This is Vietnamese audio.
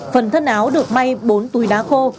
phần thân áo được may bốn túi đá khô